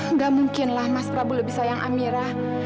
nggak mungkinlah mas prabu lebih sayang amira